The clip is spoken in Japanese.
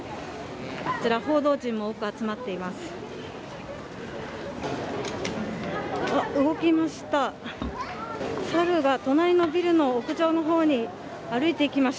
こちら報道陣も多く集まっています。